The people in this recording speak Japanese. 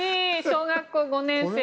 小学校５年生。